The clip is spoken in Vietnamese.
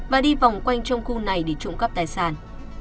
và đi vòng quanh trong khu này để trụng cấp tài sản